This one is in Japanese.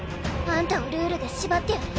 あんたをルールで縛ってやる